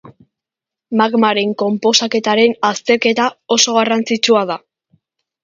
Magmaren konposaketaren azterketa oso garrantzitsua da.